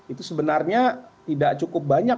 itu sebenarnya tidak cukup banyak